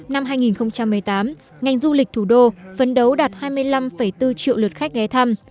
năm hai nghìn một mươi tám ngành du lịch thủ đô phấn đấu đạt hai mươi năm bốn triệu lượt khách ghé thăm